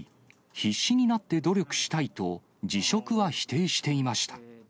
必死になって努力したいと、辞職は否定していました。